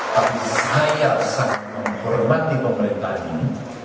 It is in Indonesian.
tapi saya sangat menghormati pemerintahan ini